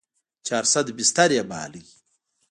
چارصد بستر يې باله.